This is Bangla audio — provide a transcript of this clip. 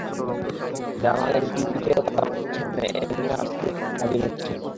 জানালেন, টিভিতেও তাঁরা দর্শকদের সামনে এমনি নানা বিশ্লেষণ নিয়ে হাজির হচ্ছেন।